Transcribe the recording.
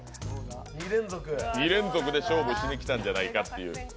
２連続で勝負しにきたんちゃうかという。